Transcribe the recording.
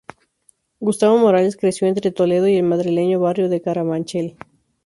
Gustavo Morales creció entre Toledo y el madrileño barrio de Carabanchel.